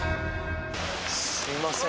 すみません。